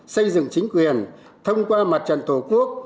xây dựng chính quyền thông qua mặt trận tổ quốc